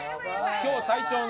今日最長の。